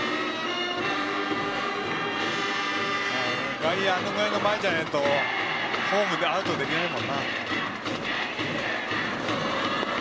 外野あれぐらい前じゃないとホームでアウトにできないもんな。